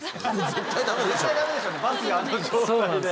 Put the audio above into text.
絶対ダメでしょうね